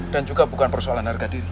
dan juga bukan persoalan harga diri